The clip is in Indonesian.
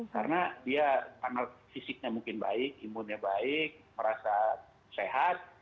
karena dia fisiknya mungkin baik imunnya baik merasa sehat